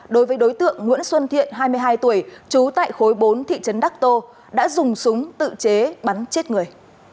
đối với đối tượng nguyễn xuân thiện hai mươi hai tuổi trú tại khối bốn thị trấn đắc tô đã dùng súng tự chế bắn chết người